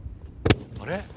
あれ？